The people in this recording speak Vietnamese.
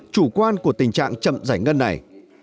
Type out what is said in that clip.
chủ quan của tình trạng chậm giải ngân này